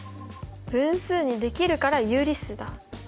分数にできるから有理数だ。